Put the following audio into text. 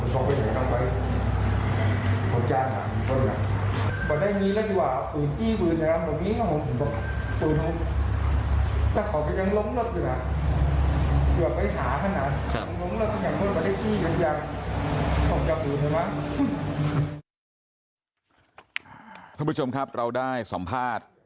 ท่านผู้ชมครับเราได้สัมภาษณ์